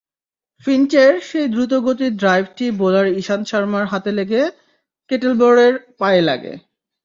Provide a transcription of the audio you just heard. ফিঞ্চের সেই দ্রুতগতির ড্রাইভটি বোলার ইশান্ত শর্মার হাতে লেগে কেটেলবরোর পায়ে লাগে।